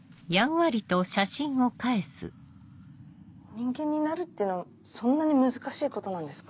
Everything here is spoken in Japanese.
人間になるっていうのはそんなに難しいことなんですか？